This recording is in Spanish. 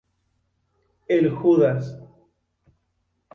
El Judas.